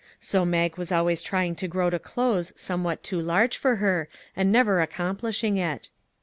So Mag was always trying to grow to clothes somewhat too large for her, and never accom plishing it.